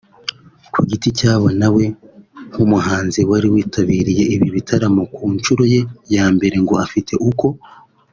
ku giti cyabo nawe nk’umuhanzi wari witabiriye ibi bitaramo ku nshuro ye ya mbere ngo afite uko